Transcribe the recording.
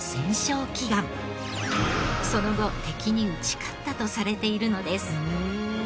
その後敵に打ち勝ったとされているのです。